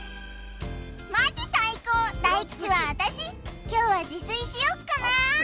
マジ最高大吉は私今日は自炊しよっかな